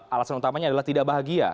alasan utamanya adalah tidak bahagia